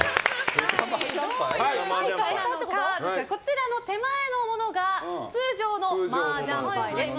こちらの手前のものが通常のマージャン牌です。